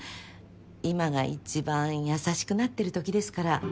今が一番優しくなってるときですから。